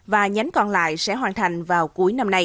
và hai hướng quận tám sẽ hoàn thành vào cuối năm nay